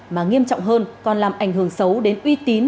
mà nghiêm trọng hơn còn làm ảnh hưởng xấu đến uy tín